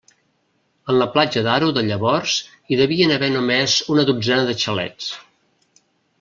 En la Platja d'Aro de llavors hi devien haver només una dotzena de xalets.